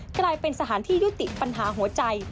กลายเป็นสถานที่ยุติปัญหาหัวใจ